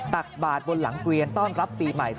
ตักบาทบนหลังเกวียนต้อนรับปีใหม่